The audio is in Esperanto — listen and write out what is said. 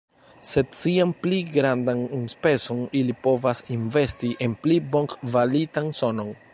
Sed sian pli grandan enspezon ili povas investi en pli bonkvalitan sonon.